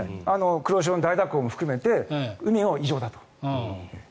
黒潮の大蛇行も含めて海が異常だと。